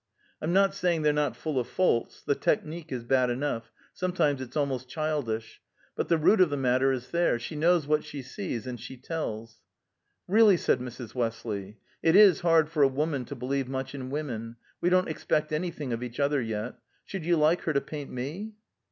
I'm not saying they're not full of faults; the technique is bad enough; sometimes it's almost childish; but the root of the matter is there. She knows what she sees, and she tells." "Really?" said Mrs. Westley. "It is hard for a woman to believe much in women; we don't expect anything of each other yet. Should you like her to paint me?"